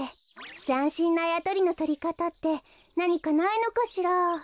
ざんしんなあやとりのとりかたってなにかないのかしら？